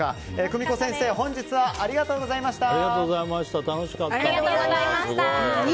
久美子先生、本日はありがとうございました。